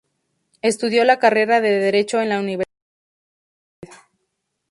Estudió la carrera de Derecho en la Universidad Central de Madrid.